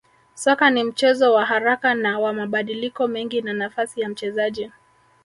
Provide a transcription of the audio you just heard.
Soka ni mchezo wa haraka na wa mabadiliko mengi na nafasi ya mchezaji